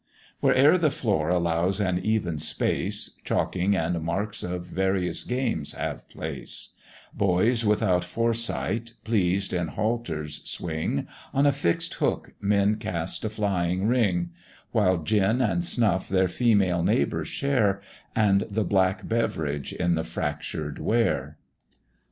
Where'er the floor allows an even space, Chalking and marks of various games have place; Boys, without foresight, pleased in halters swing; On a fix'd hook men cast a flying ring; While gin and snuff their female neighbours share, And the black beverage in the fractured ware.